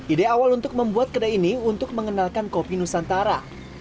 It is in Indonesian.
ide awal untuk membuat kedai ini untuk mengenalkan kopi nusantara